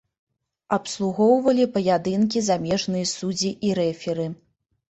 Абслугоўвалі паядынкі замежныя суддзі і рэферы.